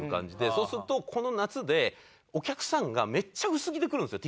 そうするとこの夏でお客さんがめっちゃ薄着で来るんですよ